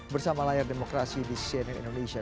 bersama layar demokrasi di cnn indonesia